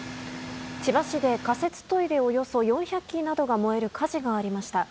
千葉市で、仮設トイレおよそ４００基などが燃える火事がありました。